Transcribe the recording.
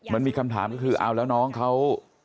มันมีคำถามก็คือเอาแล้วน้องเขา